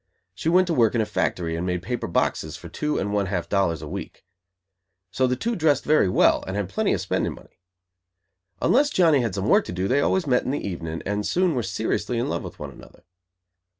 She went to work in a factory, and made paper boxes for two and one half dollars a week. So the two dressed very well, and had plenty of spending money. Unless Johnny had some work to do they always met in the evening, and soon were seriously in love with one another.